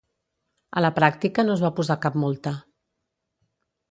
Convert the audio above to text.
a la pràctica no es va posar cap multa